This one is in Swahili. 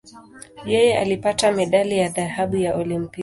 Yeye alipata medali ya dhahabu ya Olimpiki.